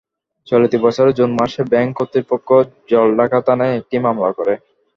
চলতি বছরের জুন মাসে ব্যাংক কর্তৃপক্ষ জলঢাকা থানায় একটি মামলা করে।